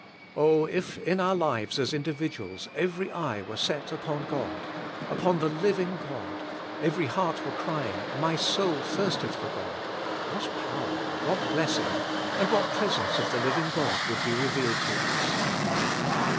Oh, if in our lives as indi viduals every eye were set upon God, upon the living God, every heart were crying, "My soul thirstethfor God," what power, what blessing and what presence of the everlasting God would be revealed to us!